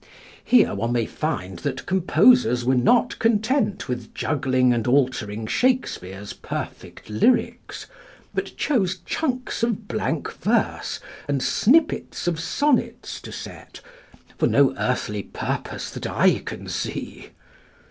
Here one may find that composers were not content with juggling and altering Shakespeare's perfect lyrics, but chose chunks of blank verse and snippets of sonnets to set, for no earthly purpose that I can see.